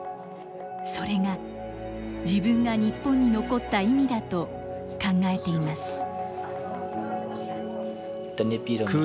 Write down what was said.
それが自分が日本に残った意味だと考えています。